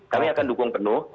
kami akan dukung penuh